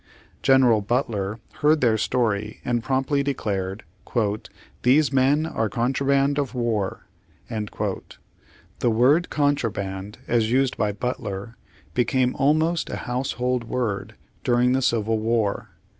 Gen. Butler heard their story, and promptly declared, "These men are contraband of war." The word "contra band" as used by Butler became almost a house hold word during the Civil War.